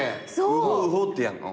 「ウホウホ」ってやんの？